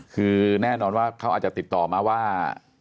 คือแน่นอนว่าเขาอาจจะติดต่อมาว่า